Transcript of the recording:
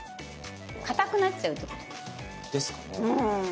かたくなっちゃうってことかな？ですかね。